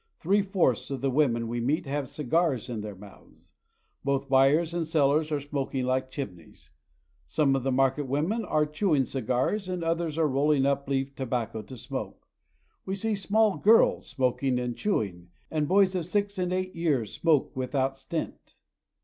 Three fourths of the women we meet have cigars in their mouths. Both buyers and sellers are smoking like chimneys. Some of the mar Market, Asuncion. ket women are chewing cigars, and others are rolling up leaf tobacco to smoke. We see small girls smoking and chew ing, and boys of six and eight years smoke without stint.